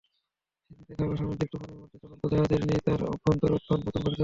স্মৃতির থাবা সামুদ্রিক তুফানের মধ্যে চলন্ত জাহাজের ন্যায় তার অভ্যন্তরে উত্থান-পতন ঘটাতে থাকে।